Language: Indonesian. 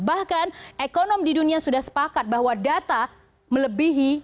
bahkan ekonomi dunia sudah sepakat bahwa data melebihi